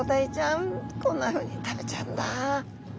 こんなふうに食べちゃうんだ。